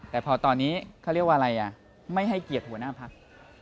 แต่พอตอนนี้เขาเรียกว่าอะไรอ่ะไม่ให้เกียรติหัวหน้าพัก